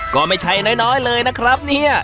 ก็ไม่ใช่น้อยเลยนะครับเนี่ย